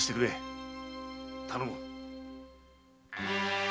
頼む。